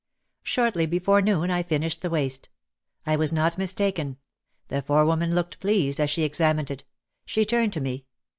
Shortly before noon I finished the waist. I was not mistaken. The forewoman looked pleased as she ex amined it. She turned to me.